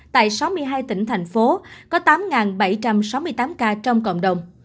tại sáu mươi hai tỉnh thành phố có tám bảy trăm sáu mươi tám ca trong cộng đồng